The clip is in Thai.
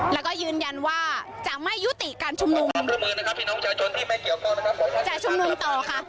แล้วก็ยืนยันว่าจะไม่ยุติการชมนุมจะชมนุมต่อค่ะ